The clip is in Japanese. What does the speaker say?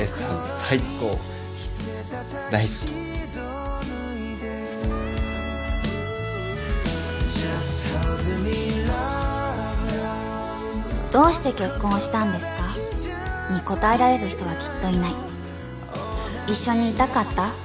最高大好きどうして結婚したんですか？に答えられる人はきっといない一緒にいたかった？